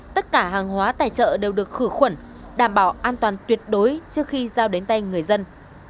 tất cả hàng hóa tài trợ đều được khử khuẩn đảm bảo an toàn tuyệt đối trước khi giao đến tay người dân